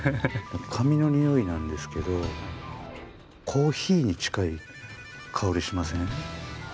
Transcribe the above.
紙のにおいなんですけどコーヒーに近い香りしません？